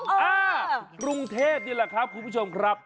อ่ากรุงเทพนี่แหละครับคุณผู้ชมครับ